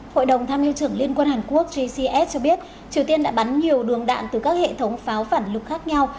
hội đồng tham hiệu trưởng liên quân hàn quốc jcs cho biết triều tiên đã bắn nhiều đường đạn từ các hệ thống pháo phản lục khác nhau